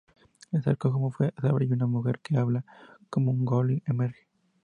El sarcófago se abre y una mujer que habla como un Goa'uld emerge.